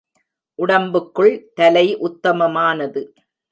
உடம்புக்குள் தலை உத்தமமானது.